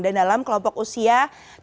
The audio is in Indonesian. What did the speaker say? dan dalam kelompok usia